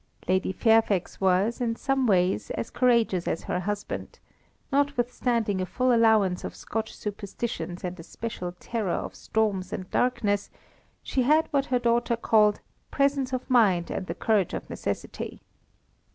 Lady Fairfax was, in some ways, as courageous as her husband; notwithstanding a full allowance of Scotch superstitions and a special terror of storms and darkness, she had what her daughter called "presence of mind and the courage of necessity."